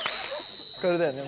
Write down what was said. これだよね